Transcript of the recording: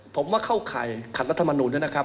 ผมว่าเข้าใครขัดรัฐมนุนนะครับ